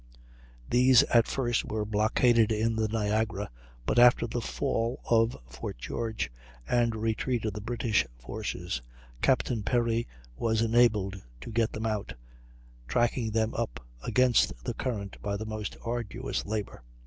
These at first were blockaded in the Niagara, but after the fall of Fort George and retreat of the British forces, Captain Perry was enabled to get them out, tracking them up against the current by the most arduous labor.